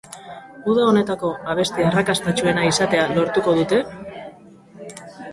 Uda honetako abesti arrakastatsuena izatea lortuko dute?